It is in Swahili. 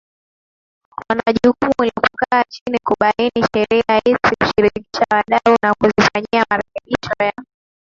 wana jukumu la kukaa chini kubaini sheria hizi kushirikisha wadau na kuzifanyia marekebisho ya